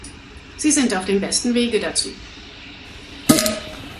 Sie sind auf dem besten Wege dazu.